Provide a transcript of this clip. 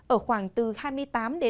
ở khoảng từ hai mươi tám hai mươi chín độ